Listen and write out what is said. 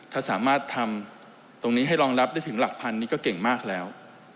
ถ้าสามารถทำตรงนี้ให้รองรับได้ถึงหลักพันนี่ก็เก่งมากแล้ว